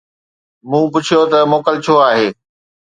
مون پڇيو ته موڪل ڇو آهي